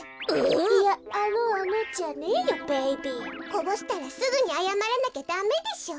こぼしたらすぐにあやまらなきゃだめでしょう。